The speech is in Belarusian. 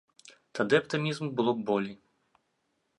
Тады аптымізму было б болей.